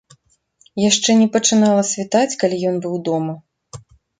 Яшчэ не пачынала світаць, калі ён быў дома.